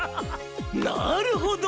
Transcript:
なるほど。